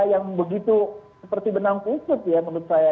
yang begitu seperti benang kusut ya menurut saya